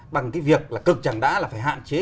bằng cái việc là cực chẳng đã là phải hạn chế